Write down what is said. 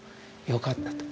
よかったと。